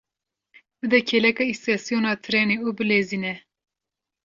Bide kêleka îstasyona trênê û bilezîne!